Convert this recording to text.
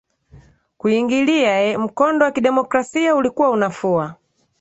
kuingilia ee mkondo wa kidemokrasia ulikuwa unafua